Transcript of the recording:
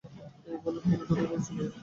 এই বলে কুমু দ্রুতপদে চলে গেল।